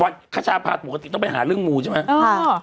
วัดขชาพาสปกติต้องไปหาเรื่องมูใช่ไหมอ่า